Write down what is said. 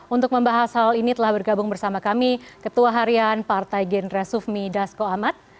untuk membahas hal ini telah bergabung bersama kami ketua harian partai genre sufmi dasko ahmad